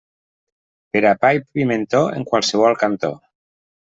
Per a pa i pimentó, en qualsevol cantó.